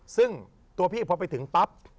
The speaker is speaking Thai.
ซึ่งตัวพี่พอไปถึงปั๊บ